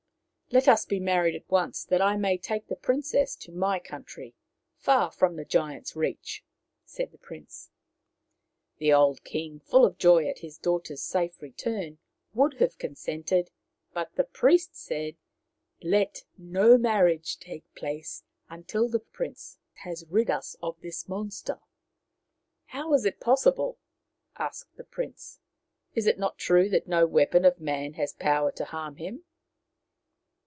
11 Let us be married at once, that I may take the princess to my country, far from the giant's reach," said the prince. The old king, full of joy at his daughter's safe return, would have consented, but the priest said :" Let no marriage take place until the prince has rid us of this monster. ,," How is it possible ?" asked the prince. " Is it not true that no weapon of man has power to harm him